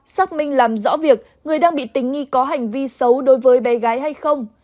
xác minh làm rõ việc người đang bị tình nghi có hành vi xấu đối với bé gái hay không